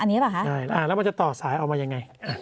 อันนี้ป่ะคะใช่แล้วมันจะต่อสายเอามายังไง